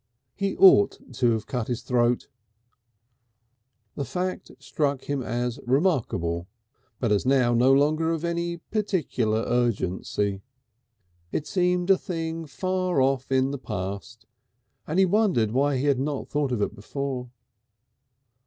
He ought to have cut his throat! The fact struck him as remarkable, but as now no longer of any particular urgency. It seemed a thing far off in the past, and he wondered why he had not thought of it before.